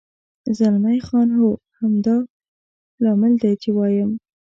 زلمی خان: هو، خو همدا لامل دی، چې وایم.